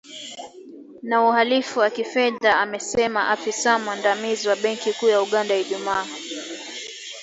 Na uhalifu wa kifedha amesema afisa mwandamizi wa benki kuu ya Uganda, Ijumaa.